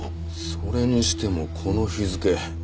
それにしてもこの日付。